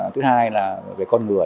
tứ hai là về con người